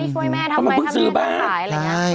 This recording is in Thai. ช่วยแม่ทำไมทำไมต้องขายอะไรอย่างนี้